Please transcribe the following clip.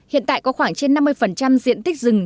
hiện tại có khoảng trên năm mươi diện tích rừng